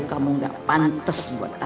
kamu tidak membuat pneumonia